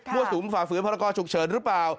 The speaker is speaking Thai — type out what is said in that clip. กลัวสุมฝ่าฝืนพระราชกรฉุกเฉินหรือเปล่า